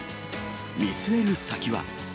見据える先は。